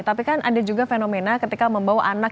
tapi kan ada juga fenomena ketika membawa anak